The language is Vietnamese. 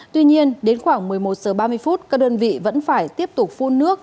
tuy nhiên đến khoảng một mươi một h ba mươi các đơn vị vẫn phải tiếp tục phun nước